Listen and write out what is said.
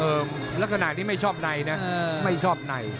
เออแล้วขนาดนี้ไม่ชอบในนะไม่ชอบใน